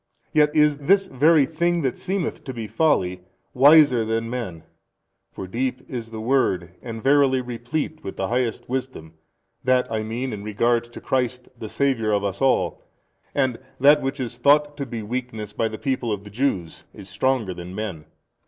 Yet is this very thing that seemeth to he folly, wiser than men. For deep is the word and verily replete with the highest wisdom, that I mean in regard to Christ the Saviour of us all, and that which is thought to be weakness by the people of the Jews, is stronger than men.